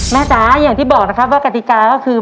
จ๋าอย่างที่บอกนะครับว่ากติกาก็คือ